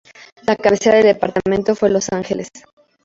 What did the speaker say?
La cabecera del departamento fue Los Ángeles.